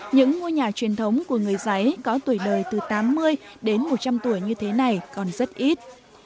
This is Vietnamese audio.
những ngôi nhà truyền thống của người giấy có tuổi đời từ tám mươi đến một trăm linh tuổi như thế này còn rất ít